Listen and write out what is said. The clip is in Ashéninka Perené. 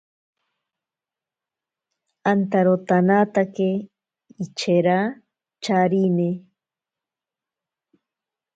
Antaro tanaatake ichera charine.